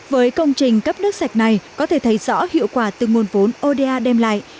với công trình cấp nước sạch này có thể thấy rõ hiệu quả từ nguồn vốn oda đem lại